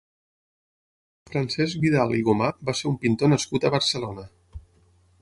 Francesc Vidal i Gomà va ser un pintor nascut a Barcelona.